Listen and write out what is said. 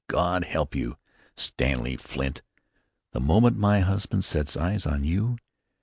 God help you, Stanley Flint, the moment my husband sets eyes on you.